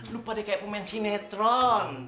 lupa deh kayak pemensi netron